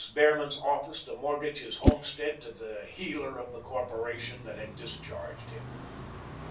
Behrman's office to mortgage his homestead to the heeler of the corporation that had discharged him.